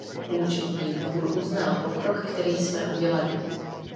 Účetní dvůr uznal pokrok, který jsme udělali.